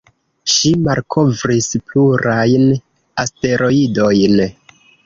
Ŝi malkovris plurajn asteroidojn.